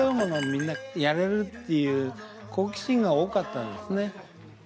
みんなやれるっていう好奇心が多かったんですね。